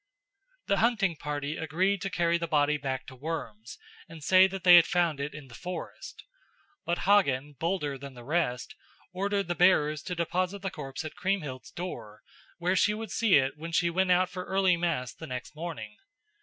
The hunting party agreed to carry the body back to Worms and say that they had found it in the forest. But Hagen, bolder than the rest, ordered the bearers to deposit the corpse at Kriemhild's door, where she would see it when she went out for early mass the next morning.